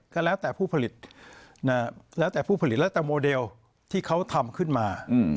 ก็แล้วแต่ผู้ผลิตแล้วแต่ผู้ผลิตแล้วแต่โมเดลที่เขาทำขึ้นมา